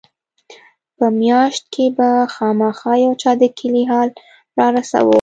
په مياشت کښې به خامخا يو چا د کلي حال رارساوه.